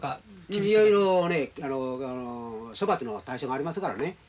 いろいろね処罰の対象がありますからね。